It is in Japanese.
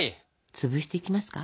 つぶしていきますか？